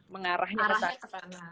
mengarahnya ke sana